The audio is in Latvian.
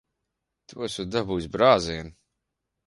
Tu esot dabūjis brāzienu.